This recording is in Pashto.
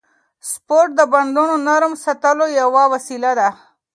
سپورت د بندونو نرم ساتلو یوه وسیله ده.